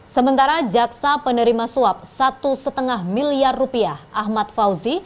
sementara jaksa penerima suap satu lima miliar rupiah ahmad fauzi